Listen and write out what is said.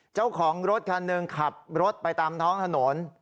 เจ้าของรถคันหนึ่งขับรถไปตามท้องถนน